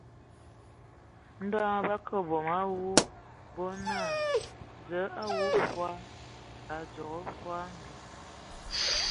Ndɔ ndɔ bǝ akə bom a avu, bo naa : Zǝə a wu fɔɔ, a dzogo fɔɔ mbim.